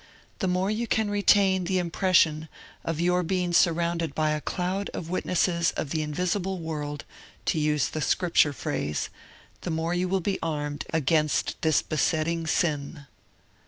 The more you can retain the impression of your being surrounded by a cloud of witnesses of the invisible world, to use the scripture phrase, the more you will be armed against this besetting sin.'